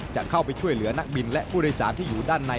จะเข้าไปช่วยเหลือนักบินและผู้โดยสารที่อยู่ด้านใน